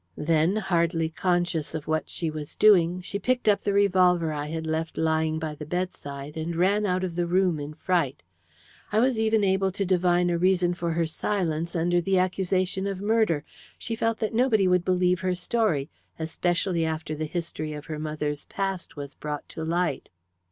Then, hardly conscious of what she was doing, she picked up the revolver I had left lying by the bedside, and ran out of the room in fright. I was even able to divine a reason for her silence under the accusation of murder. She felt that nobody would believe her story, especially after the history of her mother's past was brought to light.